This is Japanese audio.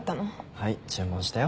はい注文したよ。